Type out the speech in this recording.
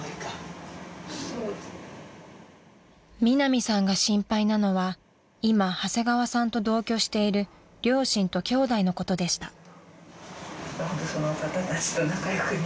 ［ミナミさんが心配なのは今長谷川さんと同居している両親ときょうだいのことでした］